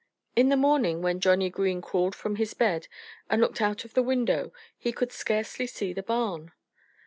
In the morning, when Johnnie Green crawled from his bed and looked out of the window he could scarcely see the barn.